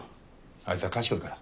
あいつは賢いから。